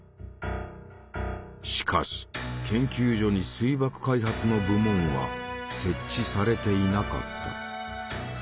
しかし研究所に水爆開発の部門は設置されていなかった。